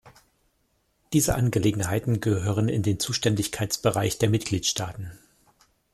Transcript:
Diese Angelegenheiten gehören in den Zuständigkeitsbereich der Mitgliedstaaten.